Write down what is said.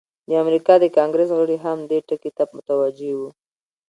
د امریکا د کانګریس غړي هم دې ټکي ته متوجه وو.